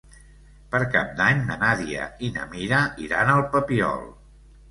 Per Cap d'Any na Nàdia i na Mira iran al Papiol.